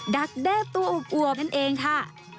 ดักแด้ตัวอวบนั่นเองค่ะ